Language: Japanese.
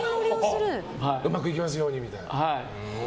うまくいきますようにみたいな？